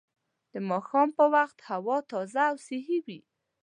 د ماښام په وخت هوا تازه او صحي وي